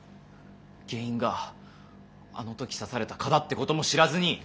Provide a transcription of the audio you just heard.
原因があの時刺された蚊だってことも知らずに。